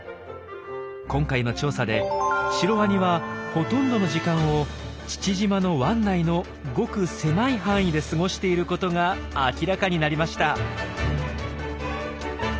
今回の調査でシロワニはほとんどの時間を父島の湾内のごく狭い範囲で過ごしていることが明らかになりました。